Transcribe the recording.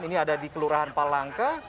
ini ada di kelurahan palangka